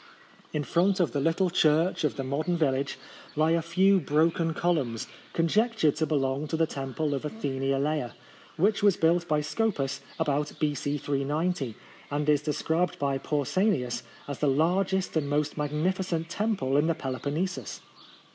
In front of the little church of the modern village lie a few broken columns, conjectured to belong to the temple of Athene Alea, which was built by Scopas about B.C. 390, and is described by Pausanias as the largest and most magnificent temple in the Peloponnesus.